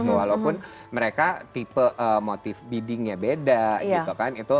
walaupun mereka tipe motif bidding nya beda gitu kan